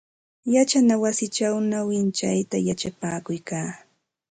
Yachana wasichaw nawintsayta yachapakuykaa.